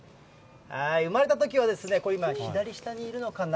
生まれたときは、これ今、左下にいるのかな。